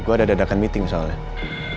gue ada dadakan meeting soalnya